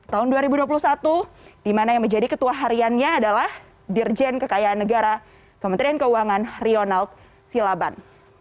tahun dua ribu dua puluh satu di mana yang menjadi ketua hariannya adalah dirjen kekayaan negara kementerian keuangan ronald silaban